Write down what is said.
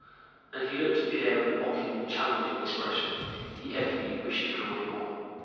And he looked at Pierre with a mocking, challenging expression. He evidently wished to draw him on.